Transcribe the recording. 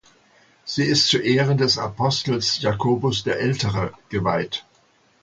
Sie ist zu Ehren des Apostels Jakobus der Ältere geweiht.